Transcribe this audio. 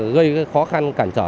gây khó khăn cản trở